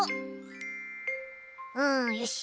うんよし。